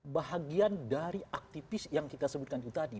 bahagian dari aktivis yang kita sebutkan itu tadi